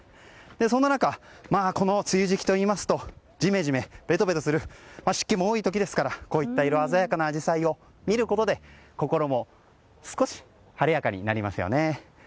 そんな中、梅雨時期といいますとジメジメ、ベトベトする湿気も多い時ですからこういった色鮮やかなアジサイを見ることで、心も少し晴れやかになりますよね。